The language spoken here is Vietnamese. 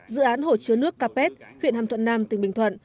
dự án hồ chứa nước capet huyện hàm thuận nam tỉnh bình thuận